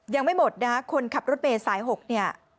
ยังไม่หมดนะคนขับรถเมย์สาย๖เนี่ย